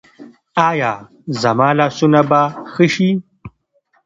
ایا زما لاسونه به ښه شي؟